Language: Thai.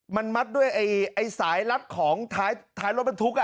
มันมัดด้วยสายลัดของท้ายรถมันทุกอ่ะ